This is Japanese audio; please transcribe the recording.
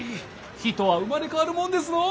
人は生まれ変わるもんですのう！